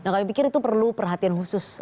nah kami pikir itu perlu perhatian khusus